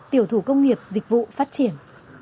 tiểu thủ công nghiệp dịch vụ phát triển